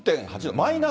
マイナス？